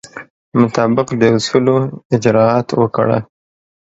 مطابق د اصولو اجرات وکړه.